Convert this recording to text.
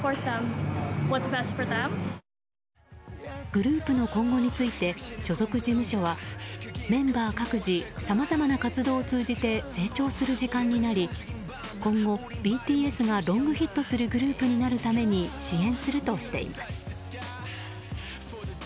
グループの今後について所属事務所はメンバー各自さまざまな活動を通じて成長する時間になり今後、ＢＴＳがロングヒットするグループになるために支援するとしています。